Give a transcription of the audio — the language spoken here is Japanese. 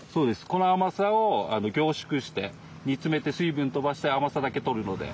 この甘さを凝縮して煮詰めて水分飛ばして甘さだけ取るので。